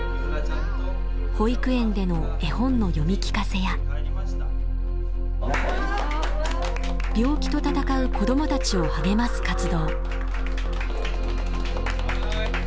保育園での絵本の読み聞かせや病気と闘う子どもたちを励ます活動。